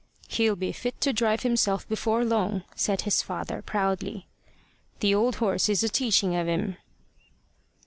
"He'll be fit to drive himself before long," said his father, proudly. "The old horse is a teaching of him."